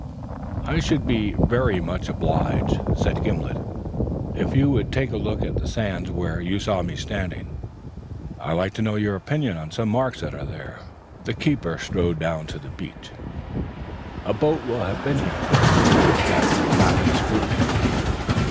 "I should be very much obliged," said Gimblet, "if you would take a look at the sands where you saw me standing. I'd like to know your opinion on some marks that are there." The keeper strode down to the beach. "A boat will have been here," he pronounced after a rapid scrutiny.